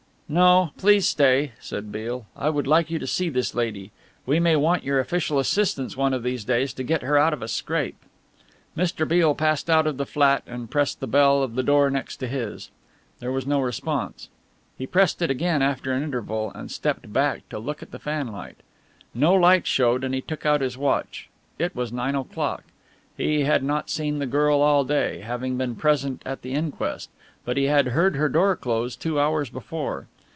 "No, please stay," said Beale. "I would like you to see this lady. We may want your official assistance one of these days to get her out of a scrape." Mr. Beale passed out of the flat and pressed the bell of the door next to his. There was no response. He pressed it again after an interval, and stepped back to look at the fanlight. No light showed and he took out his watch. It was nine o'clock. He had not seen the girl all day, having been present at the inquest, but he had heard her door close two hours before.